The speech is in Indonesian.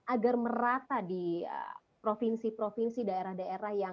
agar merata di provinsi provinsi daerah daerah yang